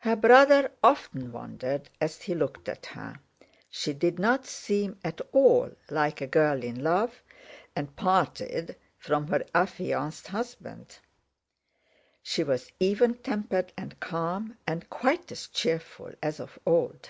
Her brother often wondered as he looked at her. She did not seem at all like a girl in love and parted from her affianced husband. She was even tempered and calm and quite as cheerful as of old.